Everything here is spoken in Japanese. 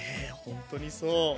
ほんとにそう。